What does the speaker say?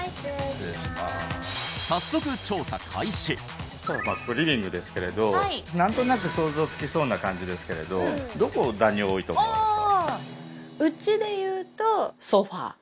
早速ここリビングですけれど何となく想像つきそうな感じですけれどどこダニ多いと思いますか？